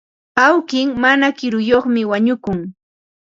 Awki mana kiruyuqmi wañukun.